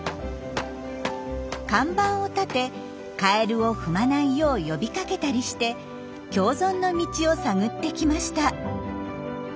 看板を立てカエルを踏まないよう呼びかけたりして共存の道を探ってきました。